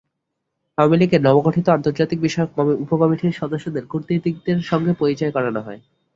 আওয়ামী লীগের নবগঠিত আন্তর্জাতিক বিষয়ক উপকমিটির সদস্যদের কূটনীতিকদের সঙ্গে পরিচিত করানো হয়।